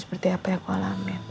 seperti apa yang aku alamin